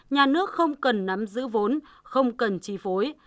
nhà nước không cần nắm giữ vốn không cần chi phối